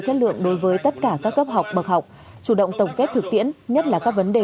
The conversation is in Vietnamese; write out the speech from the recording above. chất lượng đối với tất cả các cấp học bậc học chủ động tổng kết thực tiễn nhất là các vấn đề